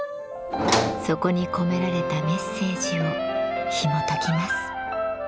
そこに込められたメッセージをひもときます。